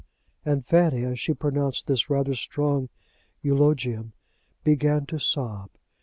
And Fanny, as she pronounced this rather strong eulogium, began to sob.